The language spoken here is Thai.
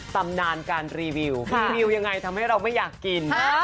ตำนานการรีวิวรีวิวยังไงทำให้เราไม่อยากกิน